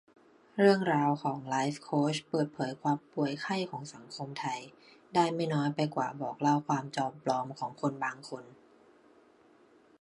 เรื่องราวของไลฟ์โคชเปิดเผยความป่วยไข้ของสังคมไทย ได้ไม่น้อยไปกว่าบอกเล่าความจอมปลอมของคนบางคน